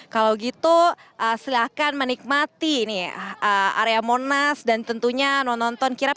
kalau gitu silahkan menikmati nih area monas dan tentunya nonton kirap